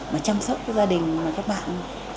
và chăm sóc các gia đình và các bạn